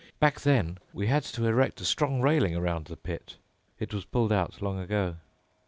Back then we had to erect a strong railing around the pit. It was pulled out long ago."